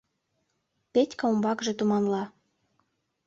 — Петька умбакыже туманла.